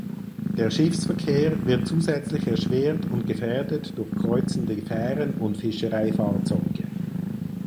Der Schiffsverkehr wird zusätzlich erschwert und gefährdet durch kreuzende Fähren und Fischereifahrzeuge.